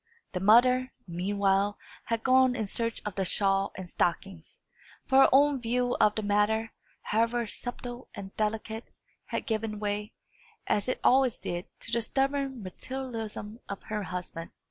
The mother, meanwhile, had gone in search of the shawl and stockings; for her own view of the matter, however subtle and delicate, had given way, as it always did, to the stubborn materialism of her husband.